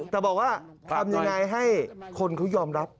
แต่บอกว่าทำยังไงให้คนเขายอมรับ